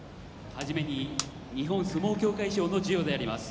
はじめに日本相撲協会賞の授与であります。